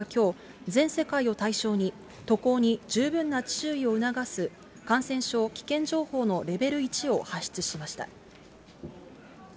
また、外務省はきょう、全世界を対象に、渡航に十分な注意を促す感染症危険情報のレベル１を発出しました。